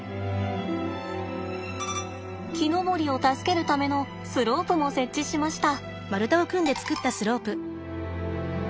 木登りを助けるためのスロープも設置しました。